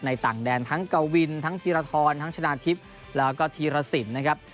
ต่างแดนทั้งกวินทั้งธีรทรทั้งชนะทิพย์แล้วก็ธีรสินนะครับ